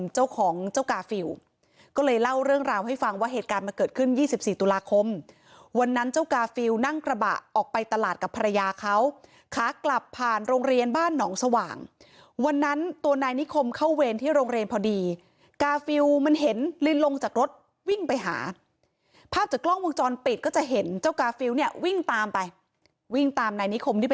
เจ้าของเจ้ากาฟิลก็เลยเล่าเรื่องราวให้ฟังว่าเหตุการณ์มันเกิดขึ้น๒๔ตุลาคมวันนั้นเจ้ากาฟิลนั่งกระบะออกไปตลาดกับภรรยาเขาขากลับผ่านโรงเรียนบ้านหนองสว่างวันนั้นตัวนายนิคมเข้าเวรที่โรงเรียนพอดีกาฟิลมันเห็นลินลงจากรถวิ่งไปหาภาพจากกล้องวงจรปิดก็จะเห็นเจ้ากาฟิลเนี่ยวิ่งตามไปวิ่งตามนายนิคมที่ไป